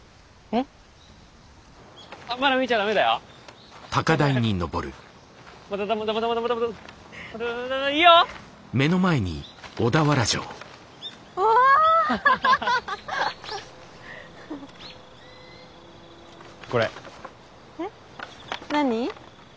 えっ何？